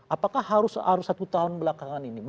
apakah harus satu tahun belakangan ini